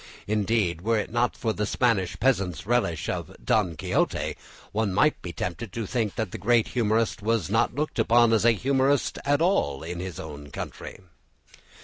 Indeed, were it not for the Spanish peasant's relish of "Don Quixote," one might be tempted to think that the great humourist was not looked upon as a humourist at all in his own country.